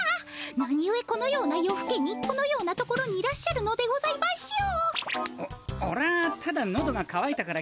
なにゆえこのような夜ふけにこのような所にいらっしゃるのでございましょう。